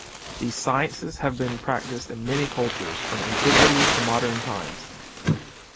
These sciences have been practiced in many cultures from Antiquity to modern times.